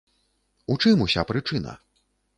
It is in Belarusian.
У чым уся прычына?